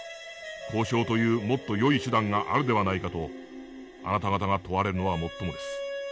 交渉というもっとよい手段があるではないかとあなた方が問われるのはもっともです。